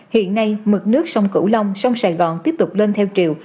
hiện nay mực nước sông cửu long sông sài gòn tiếp tục lên theo chiều